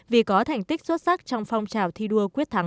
vì có thành tích xuất sắc trong phong trào thi đua quyết thắng